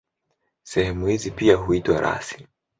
Sehemu hizi pia huitwa rasi.